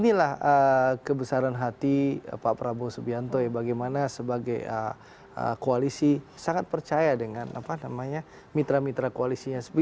inilah kebesaran hati pak prabowo subianto ya bagaimana sebagai koalisi sangat percaya dengan mitra mitra koalisinya